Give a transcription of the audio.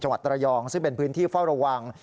วัดระยองซึ่งเป็นพื้นที่เฝ้าระวัง